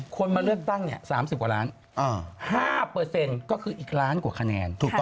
ควรมาเลือกตั้งเนี่ย๓๐กว่าล้าน๕ก็คืออีกล้านกว่าคะแนน